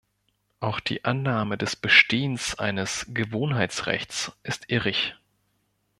Auch die Annahme des Bestehens eines Gewohnheitsrechts ist irrig.